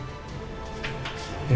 ya saya sudah mendengar